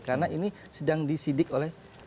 karena ini sedang disidik oleh